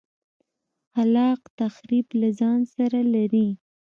خلاق تخریب له ځان سره لري.